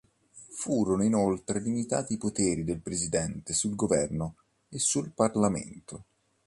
Furono inoltre limitati i poteri del presidente sul governo e sul parlamento.